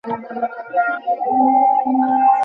জানি না, হয়তো সেই ক্ষমতা পেয়েছি।